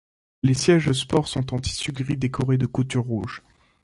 Les sièges sports sont en tissu gris décorées de coutures rouges.